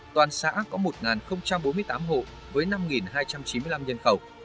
toàn xã có một bốn mươi tám hộ với năm hai trăm chín mươi năm nhân khẩu